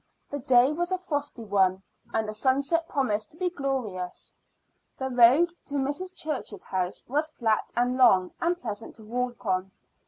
The day was a frosty one, and the sunset promised to be glorious. The road to Mrs. Church's house was flat and long and pleasant to walk on.